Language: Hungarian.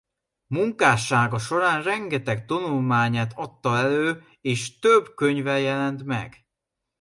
Munkássága során rengeteg tanulmányát adta elő és több könyve jelent meg.